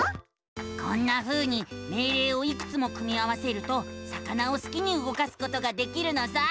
こんなふうに命令をいくつも組み合わせると魚をすきに動かすことができるのさ！